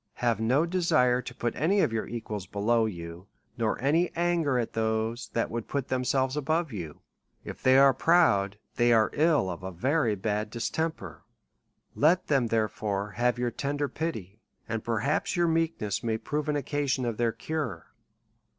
Have no desire to put any of your equals below you, nor any anger at those that would put themselves above you. If they are proud, they are ill of a very bad distemper; let them, there fore, have your tender pity, and perhaps your meek ness may prove an occasion of their cure.